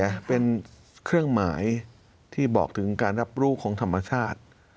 นะเป็นเครื่องหมายที่บอกถึงการรับรู้ของธรรมชาติ